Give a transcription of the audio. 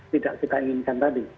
tidak seperti yang kita inginkan tadi